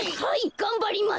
がんばります。